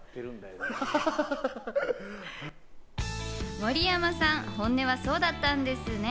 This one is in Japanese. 盛山さん、本音はそうだったんですね。